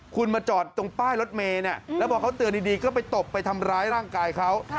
คุณมาจอดตรงป้ายรถเมย์เนี่ยแล้วพอเขาเตือนดีก็ไปตบไปทำร้ายร่างกายเขา